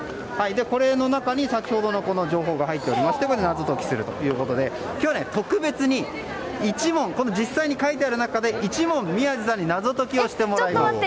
これの中に先ほどの情報が入っていますので謎解きするということで今日は特別に、１問実際に書いてある中で１問、宮司さんに謎解きをしてもらいます。